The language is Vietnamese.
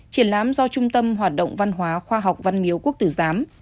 triển lãm do trung tâm hoạt động văn hóa khoa học văn miếu quốc tử giám